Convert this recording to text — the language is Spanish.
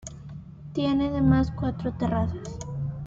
Tiene además cuatro terrazas.